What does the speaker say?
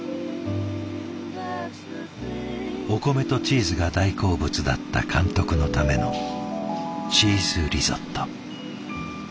お米とチーズが大好物だった監督のためのチーズリゾット。